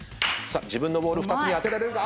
自分のボール２つに当てられるか？